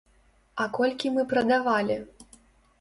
А колькi мы прадавалi?..